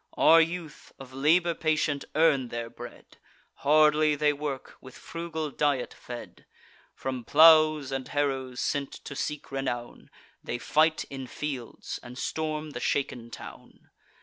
Our youth, of labour patient, earn their bread; Hardly they work, with frugal diet fed. From plows and harrows sent to seek renown, They fight in fields, and storm the shaken town.